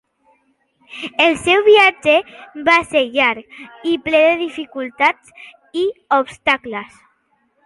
El seu viatge va ser llarg i ple de dificultats i obstacles.